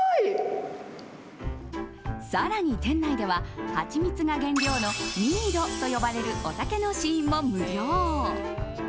更に店内ではハチミツが原料のミードと呼ばれるお酒の試飲も無料。